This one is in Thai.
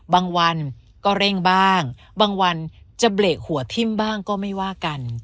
บางวันก็เร่งบ้างบางวันจะเบรกหัวทิ่มบ้างก็ไม่ว่ากัน